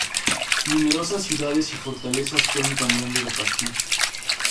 Numerosas ciudades y fortalezas fueron cambiando de partido.